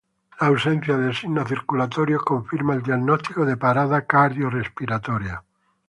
La ausencia de signos circulatorios confirma el diagnóstico de parada cardiorrespiratoria.